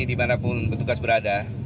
dimanapun bertugas berada